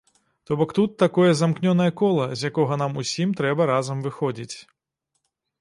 То бок тут такое замкнёнае кола, з якога нам усім трэба разам выходзіць.